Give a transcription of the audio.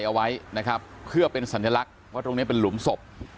เอาไว้นะครับเพื่อเป็นสัญลักษณ์ว่าตรงนี้เป็นหลุมศพ